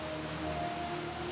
imannya jadi melenceng seperti suaminya